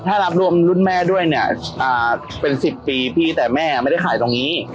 ถ้ารับรวมรุ่นแม่ด้วยเนี่ยเป็น๑๐ปีพี่แต่แม่ไม่ได้ขายตรงนี้